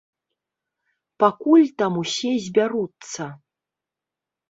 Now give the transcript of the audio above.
Пакуль там усе збяруцца.